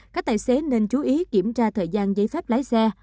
các tài xế nên chú ý kiểm tra thời gian giấy phép lái xe